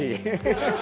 ハハハハ！